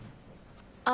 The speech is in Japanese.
あ。